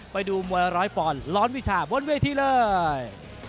ไปดูมวยร้อยปอนด์ร้อนวิชาบนเวทีเลย